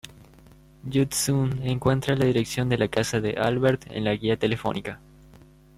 Yu Tsun encuentra la dirección de la casa de Albert en la guía telefónica.